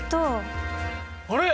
あれ！？